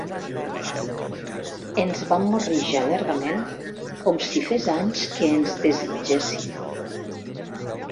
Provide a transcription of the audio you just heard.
Ens vam morrejar llargament, com si fes anys que ens desitgéssim.